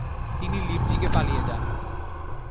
তিনি লিপজিগে পালিয়ে যান।